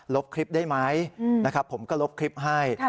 ลบคลิปได้ไหมผมก็ลบคลิปให้